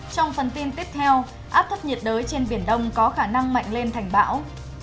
trong phần tin tiếp theo áp thấp nhiệt đới trên biển đông có khả năng mạnh lên thành bão